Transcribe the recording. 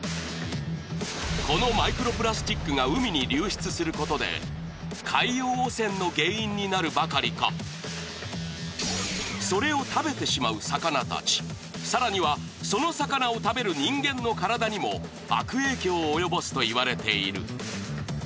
このマイクロプラスチックが海に流出することで海洋汚染の原因になるばかりかそれを食べてしまう魚たち更にはその魚を食べる人間の体にも悪影響を及ぼすといわれている。